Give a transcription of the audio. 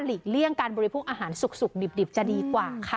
เลี่ยงการบริโภคอาหารสุกดิบจะดีกว่าค่ะ